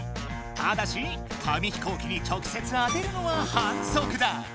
ただし紙飛行機に直せつ当てるのははんそくだ。